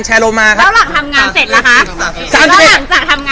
แล้วหลังทำงานเสร็จหรอคะ